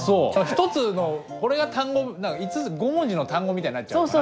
一つのこれが単語５文字の単語みたいになっちゃうのかな？